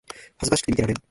恥ずかしくて見てられん